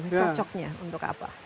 cocoknya untuk apa